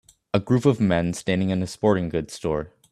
A group of men standing in an sporting goods store